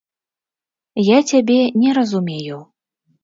Я цябе не разумею.